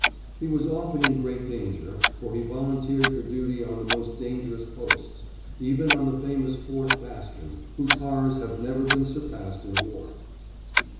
He was often in great danger, for he volunteered for duty on the most dangerous posts, even on the famous fourth bastion, whose horrors have never been surpassed in war.